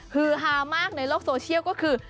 ฮือฮามากในโลกโซเชียลก็คือ